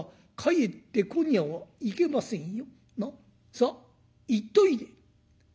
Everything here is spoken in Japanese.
さっ行っといで」。